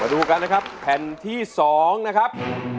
ดูกันนะครับแผ่นที่๒นะครับ